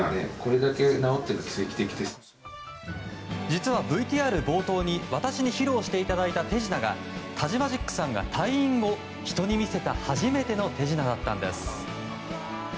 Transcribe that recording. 実はＶＴＲ冒頭に私に披露していただいた手品がタジマジックさんが退院後、人に見せた初めての手品だったんです。